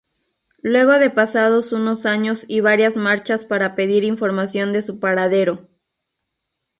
Luego de pasados unos años y varias marchas para pedir información de su paradero.